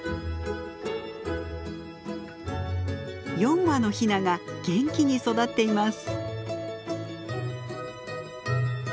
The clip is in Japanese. ４羽のヒナが元気に育っています。